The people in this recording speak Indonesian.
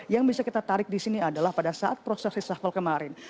yang bisa kita tarik di sini adalah pada saat proses reshuffle kemarin